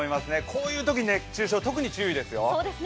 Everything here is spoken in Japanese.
こういうときに熱中症特に注意ですよ。